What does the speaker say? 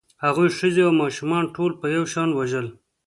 هغوی ښځې او ماشومان ټول په یو شان وژل